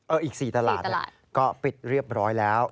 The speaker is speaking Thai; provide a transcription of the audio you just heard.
อีก๔ตลาดก็ปิดเรียบร้อยแล้ว